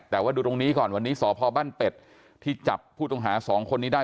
แต่ว่าดูตรงนี้ก่อนวันนี้สพบ้านเป็ดที่จับผู้ต้องหาสองคนนี้ได้